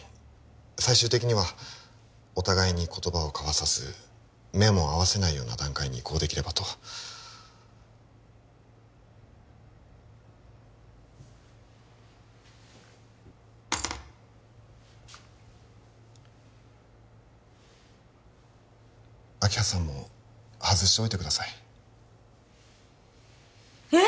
最終的にはお互いに言葉を交わさず目も合わせないような段階に移行できればと明葉さんも外しておいてくださいえっ？